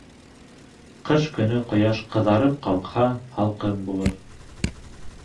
Ҡыш көнө ҡояш ҡыҙарып ҡалҡһа, һалҡын булыр.